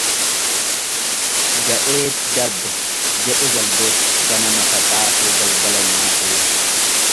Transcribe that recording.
"Ga'eeti darbe"" jedhe jaldeessi ganama facaasee galgala nyaatee."